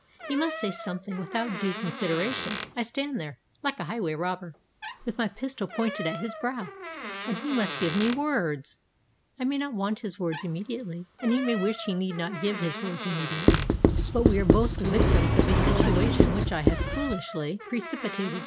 He must say something without due consideration; I stand there, like a highway robber, with my pistol pointed at his brow, and he must give me words. I may not want his words immediately; and he may wish he need not give his words immediately; but we are both the victims of a situation which I have foolishly precipitated.